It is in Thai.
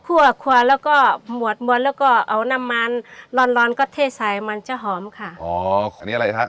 ครัวครัวแล้วก็หมวดมวลแล้วก็เอาน้ำมันร้อนร้อนก็เทใส่มันจะหอมค่ะอ๋ออันนี้อะไรฮะ